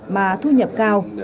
mà thu nhập cơ